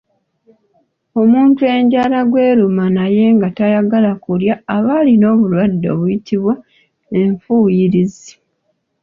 Omuntu enjala gw’eruma naye nga tayagala kulya aba alina obulwadde obuyitibwa Enfuuyirizi.